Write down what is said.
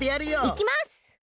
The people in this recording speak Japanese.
いきます！